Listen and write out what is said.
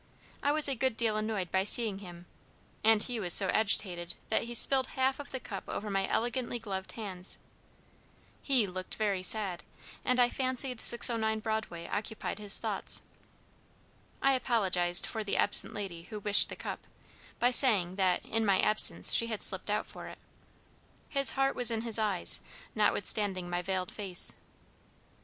I was a good deal annoyed by seeing him, and he was so agitated that he spilled half of the cup over my elegantly gloved hands. He looked very sad, and I fancied 609 Broadway occupied his thoughts. I apologized for the absent lady who wished the cup, by saying that 'in my absence she had slipped out for it.' His heart was in his eyes, notwithstanding my veiled face.